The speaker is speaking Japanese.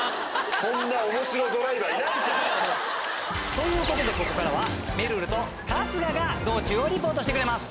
ということでここからは。が道中をリポートしてくれます。